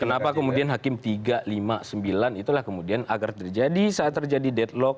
kenapa kemudian hakim tiga lima sembilan itulah kemudian agar terjadi saat terjadi deadlock